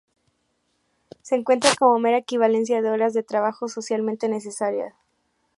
Se encuentran como mera equivalencia de horas de trabajo socialmente necesarias.